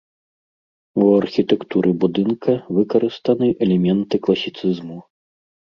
У архітэктуры будынка выкарыстаны элементы класіцызму.